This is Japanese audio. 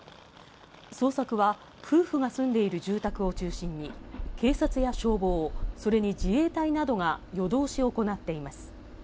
捜索は夫婦が住んでいる住宅を中心に、警察や消防、それに自衛隊などが夜通し行っています。